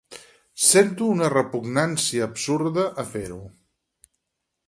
Sento una repugnància absurda a fer-ho.